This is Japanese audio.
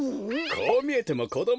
こうみえてもこどものころ